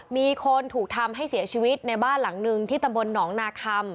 มีคนถูกทำให้เสียชีวิตในบ้านหลังหนึ่งที่ตำบลหนองนาคัม